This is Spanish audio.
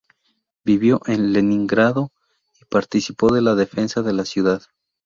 Vivió en Leningrado y participó de la defensa de la ciudad.